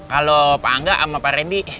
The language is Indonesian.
kalau pak angga sama pak randy